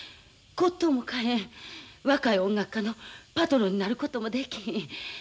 骨とうも買えん若い音楽家のパトロンになることもできひん。